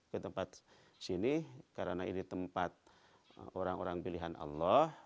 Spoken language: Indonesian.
ke tempat sini karena ini tempat orang orang pilihan allah